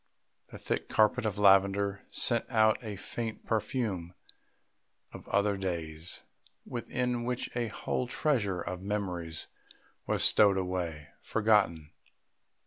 The thick carpet of lavender sent out a faint perfume of other days, within which a whole treasure of memories was stowed away ... forgotten.